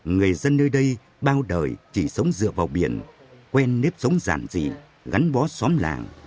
người dân nơi đây bao đời chỉ sống dựa vào biển quen nếp sống giản dị gắn bó xóm làng